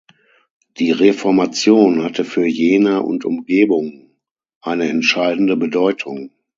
Die Reformation hatte für Jena und Umgebung eine entscheidende Bedeutung.